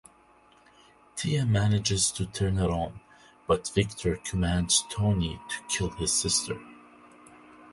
Tia manages to turn it on but Victor commands Tony to kill his sister.